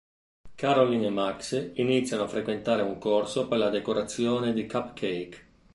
Caroline e Max iniziano a frequentare un corso per la decorazione di cupcake.